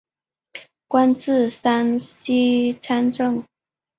官至山西参政。